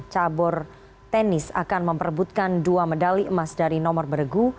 cabur tenis akan memperebutkan dua medali emas dari nomor bergu